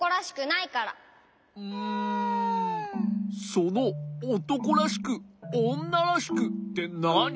そのおとこらしくおんならしくってなに？